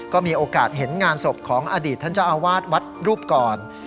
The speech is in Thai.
ก็มีโอกาสเห็นงานศพของอดีตท่านเจ้าอาวาสวัดรูปก่อน